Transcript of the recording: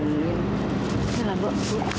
udah lah mbak bu